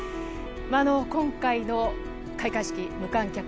今回の開会式、無観客。